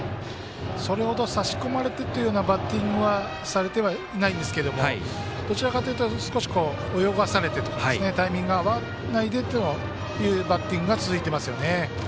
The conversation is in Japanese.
それほど差し込まれてというようなバッティングはされてはないんですけれどもどちらかというと少し泳がされてというタイミング合わないでっていうバッティングが続いていますよね。